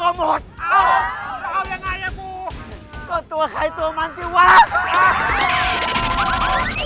อาหมวดอะไรก็ในคูลเลอร์ในคูลเลอร์ไง